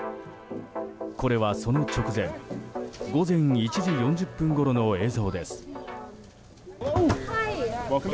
これはその直前午前１時４０分ごろの映像です。